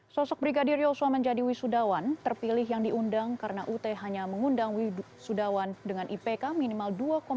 sosok brigadir yosua menjadi wisudawan terpilih yang diundang karena ut hanya mengundang wisudawan dengan ipk minimal dua